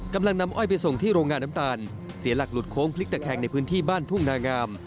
กำลังนำอ้อยไปส่งที่โรงงานน้ำตาลเสียหลักหลุดโค้งพลิกตะแคงในพื้นที่บ้านทุ่งนางาม